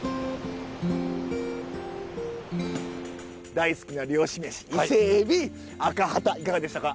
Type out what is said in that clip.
大好きな漁師メシ伊勢エビアカハタいかがでしたか？